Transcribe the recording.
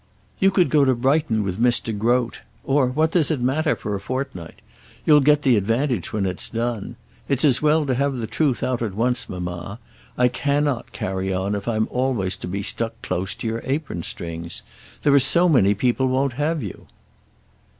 "You could go to Brighton with Miss De Groat; or what does it matter for a fortnight? You'll get the advantage when it's done. It's as well to have the truth out at once, mamma, I cannot carry on if I'm always to be stuck close to your apron strings. There are so many people won't have you."